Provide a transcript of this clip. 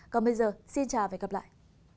còn bây giờ xin chào và hẹn gặp lại